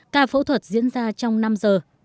ca phẫu thuật diễn ra trong năm giờ